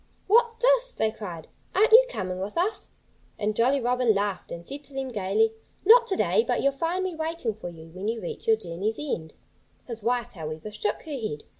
"What's this?" they cried. "Aren't you coming with us?" And Jolly Robin laughed and said to them gaily: "Not to day! But you'll find me waiting for you when you reach your journey's end." His wife, however, shook her head.